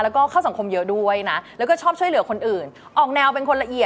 แล้วก็เข้าสังคมเยอะด้วยนะแล้วก็ชอบช่วยเหลือคนอื่นออกแนวเป็นคนละเอียด